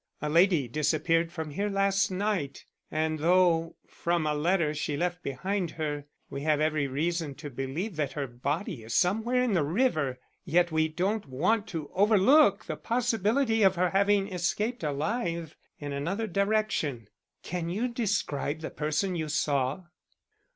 A lady disappeared from here last night, and though, from a letter she left behind her, we have every reason to believe that her body is somewhere in the river, yet we don't want to overlook the possibility of her having escaped alive in another direction. Can you describe the person you saw?"